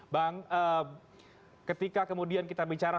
bang ketika kemudian kita bicara